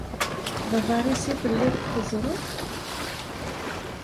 D aḍar-is i telliḍ txeẓẓreḍ?